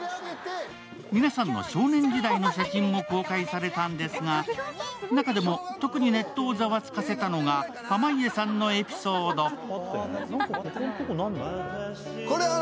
皆さんの少年時代の写真も公開されたんですが中でも特にネットをざわつかせたのが濱家さんのエピソード。